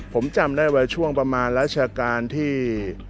ผมจำได้ว่าช่วงประมาณราชการที่